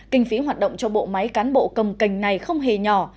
kinh phí hoạt động cho bộ máy cán bộ cầm cành này không hề nhỏ